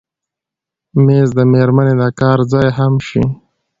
مېز د مېرمنې د کار ځای هم شي.